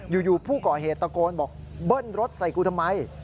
อยู่ผู้ก่อเหตุตะโกนบอกเบิ้ลรถใส่กูทำไม